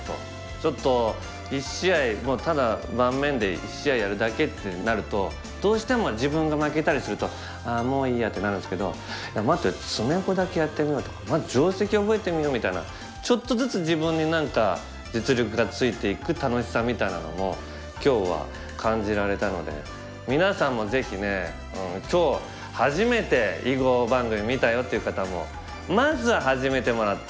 ちょっと一試合ただ盤面で一試合やるだけってなるとどうしても自分が負けたりすると「ああもういいや」ってなるんですけど「いや待てよ詰碁だけやってみよう」とか「まず定石覚えてみよう」みたいなちょっとずつ自分に何か実力がついていく楽しさみたいなのも今日は感じられたので皆さんもぜひね「今日初めて囲碁番組見たよ」っていう方もまずは始めてもらって。